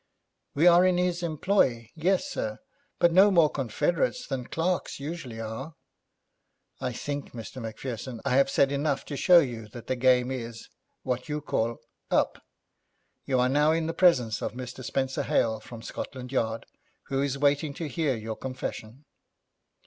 'We are in his employ; yes, sir, but no more confederates than clerks usually are.' 'I think, Mr. Macpherson, I have said enough to show you that the game is, what you call, up. You are now in the presence of Mr. Spenser Hale, from Scotland Yard, who is waiting to hear your confession.'